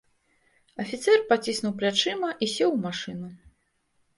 Афіцэр паціснуў плячыма і сеў у машыну.